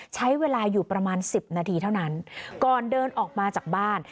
ใช้เวลาอยู่ประมาณสิบนาทีเท่านั้นก่อนเดินออกมาจากบ้าน